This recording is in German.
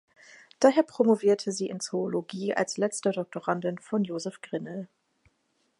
Daher promovierte sie in Zoologie als letzte Doktorandin von Joseph Grinnell.